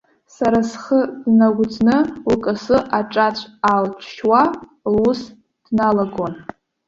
Сара схы днагәӡны, лкасы аҿацә аалҿшьуа лус дналагон.